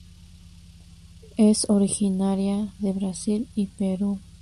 Es originaria de Brasil y Perú.